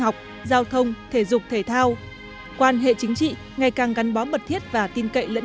học giao thông thể dục thể thao quan hệ chính trị ngày càng gắn bó mật thiết và tin cậy lẫn